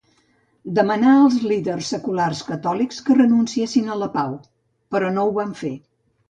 Demanà als líders seculars catòlics que renunciessin a la pau, però no ho van fer.